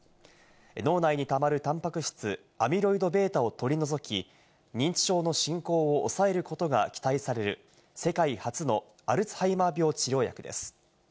脳内にたまるタンパク質・アミロイドベータを取り除き認知症の進行を抑えることが期待される世界初のアルツハイマー病治療薬です。